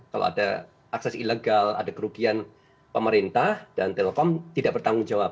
kalau ada akses ilegal ada kerugian pemerintah dan telkom tidak bertanggung jawab